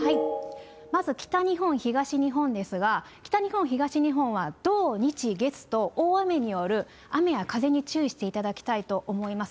まず北日本、東日本ですが、北日本、東日本は土、日、月と、大雨による雨や風に注意していただきたいと思います。